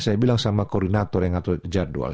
saya bilang sama koordinator yang ngatur jadwal